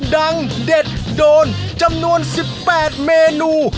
ดังเด็ดโดนจำนวนสิบแปดเมนู